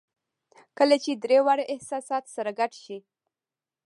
کله چې درې واړه احساسات سره ګډ شي